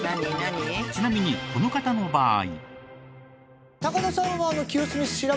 ちなみにこの方の場合。